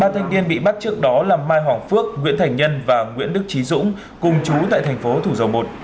ba thanh niên bị bắt trước đó là mai hoàng phước nguyễn thành nhân và nguyễn đức trí dũng cùng chú tại thành phố thủ dầu một